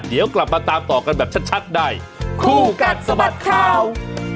เดี๋ยวกลับมาตามต่อกันแบบชัดในคู่กัดสะบัดข่าว